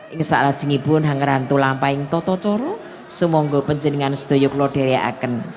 inisiala jeng ibu ingkang rantu lampahing toto coro semonggo penjenggan setoyuk lodere aken